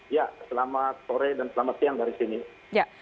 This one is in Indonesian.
ya selamat sore dan selamat siang dari sini